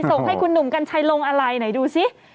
ส่งให้คุณหนุ่มกัญชัยลงอะไรไหนดูสิ